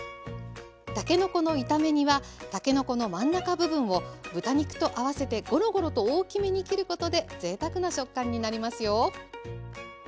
たけのこの炒め煮はたけのこの真ん中部分を豚肉と合わせてごろごろと大きめに切ることでぜいたくな食感になりますよ。